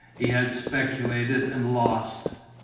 He had speculated and lost.